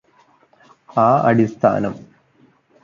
ആ അടിസ്ഥാനം